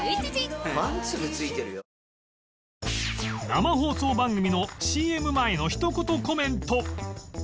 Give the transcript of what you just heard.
生放送番組の ＣＭ 前の一言コメント